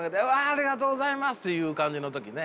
ありがとうございます！っていう感じの時ね。